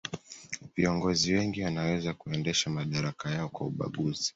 viongozi wengi wanaweza kuendesha madaraka yao kwa ubaguzi